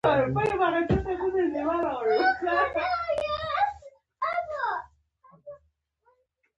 بیا د سلګۍ په حالت کې یې وویل: ماما ماما میا.